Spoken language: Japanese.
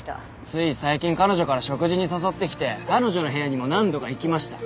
つい最近彼女から食事に誘ってきて彼女の部屋にも何度か行きました。